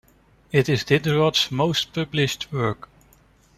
It is Diderot's most published work.